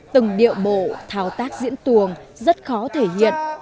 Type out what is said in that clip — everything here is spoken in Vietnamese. từng điệu bộ thao tác diễn tuồng rất khó thể hiện